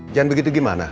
jangan begitu gimana